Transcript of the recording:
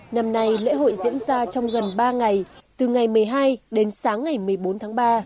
năm nay lễ hội diễn ra trong gần ba ngày từ ngày một mươi hai đến sáng ngày một mươi bốn tháng ba